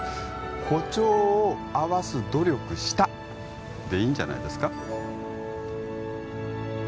「歩調を合わす努力した」でいいんじゃないですか？